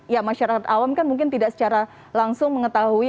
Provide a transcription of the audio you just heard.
ya masyarakat awam kan mungkin tidak secara langsung mengetahui